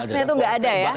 batasnya itu tidak ada ya